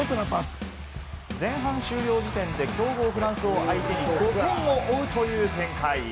前半終了時点で強豪フランスを相手にあと５点を追うという展開。